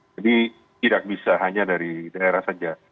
jadi tidak bisa hanya dari daerah saja